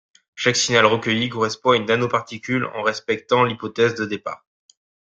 Chaque signal recueilli correspond à une nanoparticule en respectant l’hypothèse de départ.